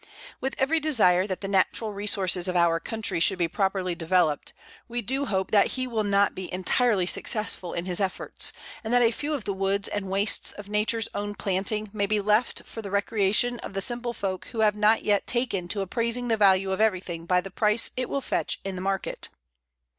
With every desire that the natural resources of our country should be properly developed, we do hope that he will not be entirely successful in his efforts, and that a few of the woods and wastes of Nature's own planting may be left for the recreation of the simple folk who have not yet taken to appraising the value of everything by the price it will fetch in the market.